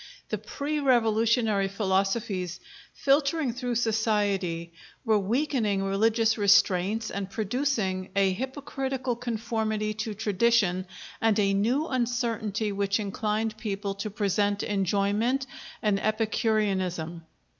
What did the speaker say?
The pre revolutionary philosophies, filtering through society, were weakening religious restraints and producing a hypocritical conformity to tradition and a new uncertainty which inclined people to present enjoyment and epicureanism.